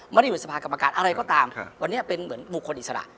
ไม่ได้อยู่สภากรรมการอะไรก็ตามวันนี้เป็นเหมือนบุคคลอิสระ